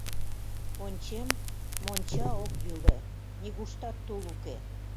Ончем: монча ок йӱлӧ, нигуштат тул уке.